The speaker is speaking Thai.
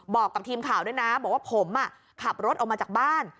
บอกกับทีมข่าวด้วยนะบอกว่าผมขับรถออกมาจากบ้าน